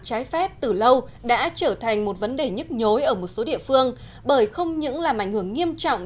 tỷ lệ đã trở thành một vấn đề nhức nhối ở một số địa phương bởi không những làm ảnh hưởng nghiêm trọng